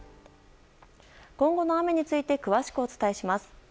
今後の雨について詳しくお伝えします。